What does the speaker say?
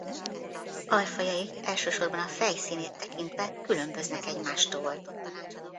Alfajai elsősorban a fej színét tekintve különböznek egymástól.